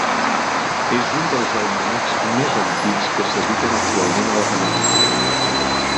És un dels almanacs més antics que s'editen actualment a la península.